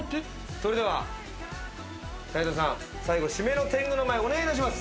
それでは斉藤さん、最後、締めの天狗の舞、お願いします。